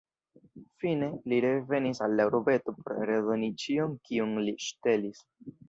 Fine, li revenis al la urbeto por redoni ĉion kiun li ŝtelis.